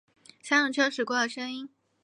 三轮车驶过的声音